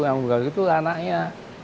yang menganggap begitu adalah anaknya